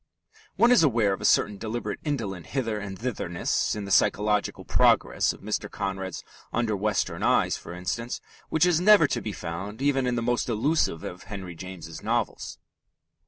One is aware of a certain deliberate indolent hither and thitherness in the psychological progress of Mr. Conrad's Under Western Eyes, for instance, which is never to be found even in the most elusive of Henry James's novels.